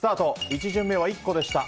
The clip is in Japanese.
１巡目は１個でした。